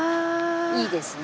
いいですね。